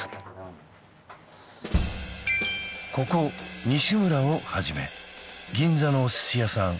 ここ「にしむら」をはじめ銀座のお寿司屋さん